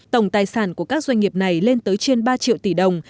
tổng tài sản của các doanh nghiệp này lên tới trên ba triệu tỷ đồng